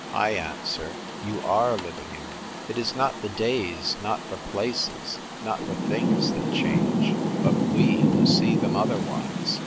I answer, " You are living in them." It is not the days, not the places, not the things that change, but we who see them otherwise.